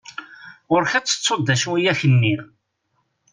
Ɣur-k ad tettuḍ d acu i ak-nniɣ.